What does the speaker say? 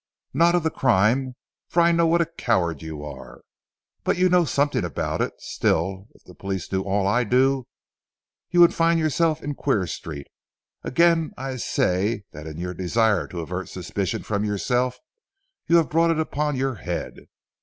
"Not of the crime, for I know what a coward you are. But you know something about it. Still, if the police knew all I do, you would find yourself in Queer Street. Again I say that in your desire to avert suspicion from yourself, you have brought it upon your head.